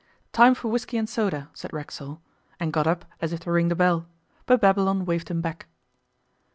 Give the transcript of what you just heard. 'Time for whisky and soda,' said Racksole, and got up as if to ring the bell; but Babylon waved him back.